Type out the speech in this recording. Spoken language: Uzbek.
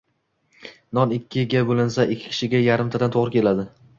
Non ikkiga bo‘linsa, ikki kishiga yarimtadan to‘g‘ri keladi.